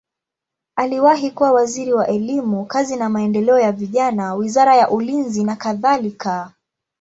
Aliwahi kuwa waziri wa elimu, kazi na maendeleo ya vijana, wizara ya ulinzi nakadhalika.